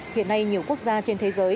hiện nay nhiều quốc gia trên thế giới